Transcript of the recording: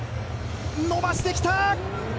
伸ばしてきた！